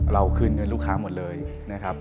คืนเงินลูกค้าหมดเลยนะครับ